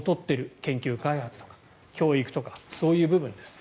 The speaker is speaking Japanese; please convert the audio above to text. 研究開発とか教育とかそういう部分です。